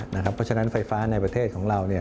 เพราะฉะนั้นไฟฟ้าในประเทศของเรา